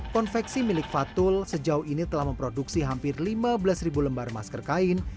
konveksi milik fatul sejauh ini telah memproduksi hampir lima belas ribu lembar masker kain